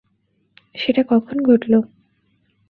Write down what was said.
সেটা কখন ঘটল?